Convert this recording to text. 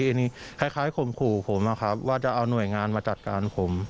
อันนี้คล้ายข่มขู่ผมนะครับว่าจะเอาหน่วยงานมาจัดการผม